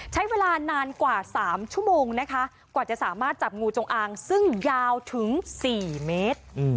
ใช้เวลานานกว่า๓ชั่วโมงนะคะกว่าจะสามารถจับงูจงอางซึ่งยาวถึง๔เมตร